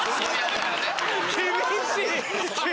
厳しい。